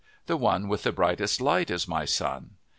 The one with the brightest light is my son.'